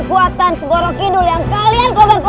kalau ratu kalian sudah terluka